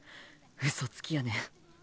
うそつきやねん。